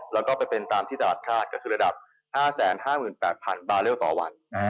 และก็เป็นตามที่ตลาดคาดระดับ๕๕๘๐๐๐บาเลียวต่อวัน